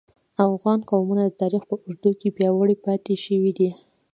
افغان قومونه د تاریخ په اوږدو کې پیاوړي پاتې شوي دي